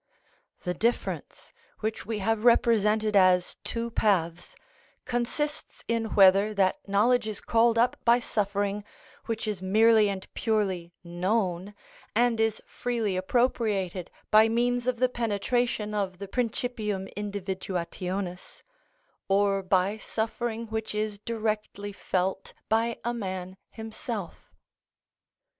The difference, which we have represented as two paths, consists in whether that knowledge is called up by suffering which is merely and purely known, and is freely appropriated by means of the penetration of the principium individuationis, or by suffering which is directly felt by a man himself.